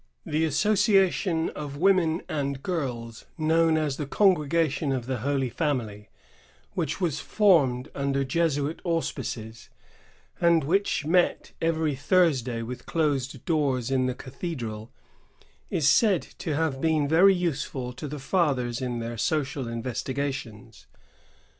The association of women and girls known as the Congregation of the Holy Family, which was formed under Jesuit auspices, and which met every Thursday with closed doors in the cathedral, is said to have been very useful to the fathers in their social investi gations.